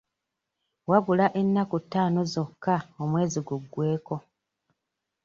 Wabula ennaku ttaano zokka omwezi guggweko.